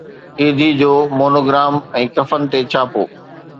ايڌي جو مونوگرام ۽ ڪفن تي ڇاپو